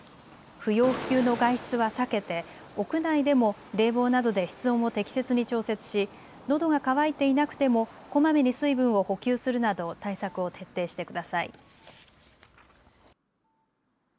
不要不急の外出は避けて屋内でも冷房などで室温を適切に調節し、のどが渇いていなくてもこまめに水分を補給するなど対策を徹底してください。